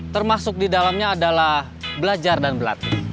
termasuk di dalamnya adalah belajar dan berlatih